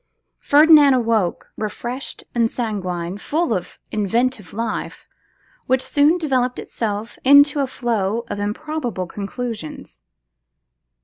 Ferdinand awoke refreshed and sanguine, full of inventive life, which soon developed itself in a flow of improbable conclusions.